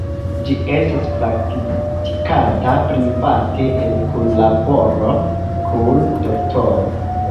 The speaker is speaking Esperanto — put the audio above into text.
Ĝi estas praktikata private en kunlaboro kun doktoro.